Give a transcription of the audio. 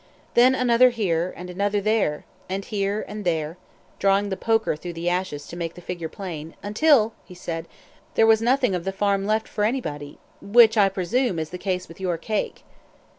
Then another here, and another there! and here and there" drawing the poker through the ashes to make the figure plain "until," he said, "there was nothing of the farm left for anybody which, I presume is the case with your cake!"